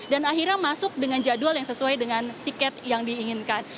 dan akhirnya masuk dengan jadwal yang sesuai dengan tiket yang diinginkan